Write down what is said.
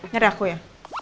ngeri aku ya